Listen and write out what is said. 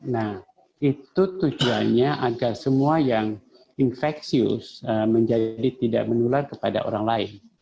nah itu tujuannya agar semua yang infeksius menjadi tidak menular kepada orang lain